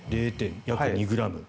約０．２ｇ。